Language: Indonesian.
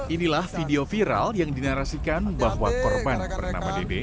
inilah video viral yang dinarasikan bahwa korban bernama dede